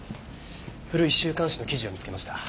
古い週刊誌の記事を見つけました。